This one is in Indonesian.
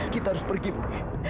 kita harus pergi bu